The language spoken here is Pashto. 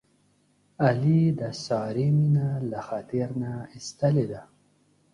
علي د سارې مینه له خاطر نه ایستلې ده.